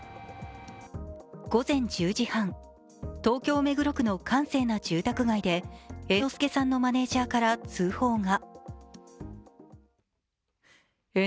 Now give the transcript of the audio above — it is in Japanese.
午前１０時半、東京・目黒区の閑静な住宅街で猿之助さんのマネージャーから通報が。